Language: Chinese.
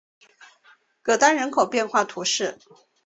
戈当人口变化图示